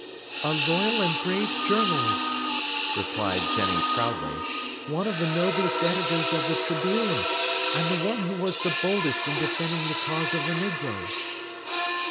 "A loyal and brave journalist," replied Jenny proudly, "one of the noblest editors of the Tribune, and the one who was the boldest in defending the cause of the negroes."